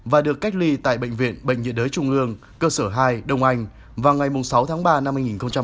và được cách ly tại bệnh viện bệnh nhiệt đới trung ương cơ sở hai đông anh vào ngày sáu tháng ba năm hai nghìn hai mươi